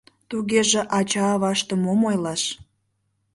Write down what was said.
Тугеже ача-аваштым мом ойлаш?!